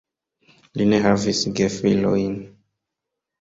Li ne havis gefilojn.